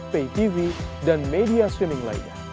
paytv dan media streaming lainnya